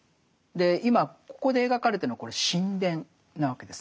今ここで描かれてるのはこれ神殿なわけですね。